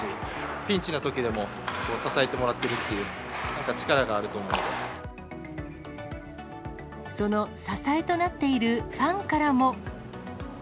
ピンチのときでも、支えてもらってるっていう、その支えとなっているファンからも。